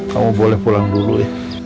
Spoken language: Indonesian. kamu boleh pulang dulu ya